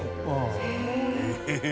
へえ。